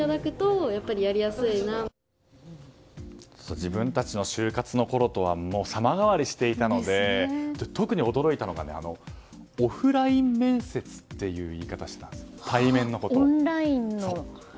自分たちの就活のころとは様変わりしていたので特に驚いたのがオフライン面接っていう言い方をしてたんです。